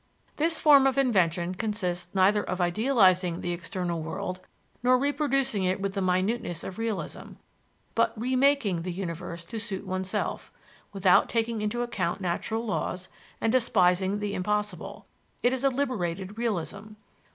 This form of invention consists neither of idealizing the external world, nor reproducing it with the minuteness of realism, but remaking the universe to suit oneself, without taking into account natural laws, and despising the impossible: it is a liberated realism.